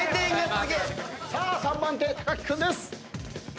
さあ３番手木君です。